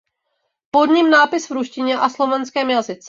Pod ním nápis v ruštině a slovenském jazyce.